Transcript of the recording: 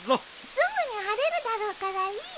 すぐに晴れるだろうからいいよ。